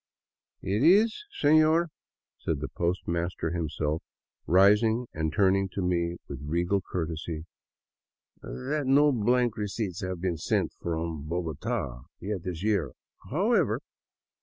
" It is, serior," said the postmaster himself, rising and turning to me with regal courtesy, " that no blank receipts have been sent from Bogota yet this this year. However.